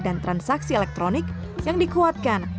dan transaksi elektronik yang dikuatkan